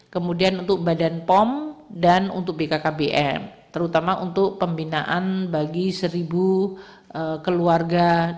kemudian untuk badan pom dan untuk bkkbm terutama untuk pembinaan bagi seribu keluarga